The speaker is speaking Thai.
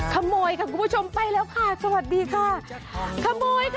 ขโมยค่ะคุณผู้ชมไปแล้วค่ะสวัสดีค่ะ